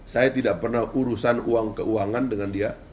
saya tidak pernah urusan uang keuangan dengan dia